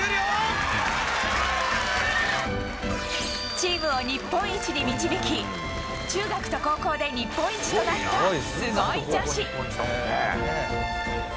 チームを日本一に導き中学と高校で日本一となったスゴい女子！